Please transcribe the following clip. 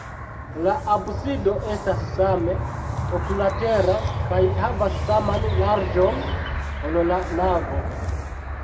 La absido estas same oklatera kaj havas saman larĝon, ol la navo.